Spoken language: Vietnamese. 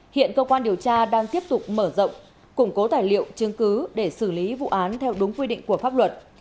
hiện cơ quan điều tra đang tiếp tục mở rộng củng cố tài liệu chứng cứ để xử lý vụ án theo đúng quy định của pháp luật